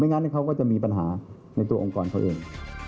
งั้นเขาก็จะมีปัญหาในตัวองค์กรเขาเอง